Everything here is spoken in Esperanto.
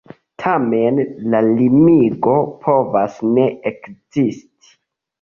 Tamen, la limigo povas ne ekzisti.